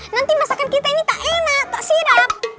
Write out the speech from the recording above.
nanti masakan kita ini tak enak tak siram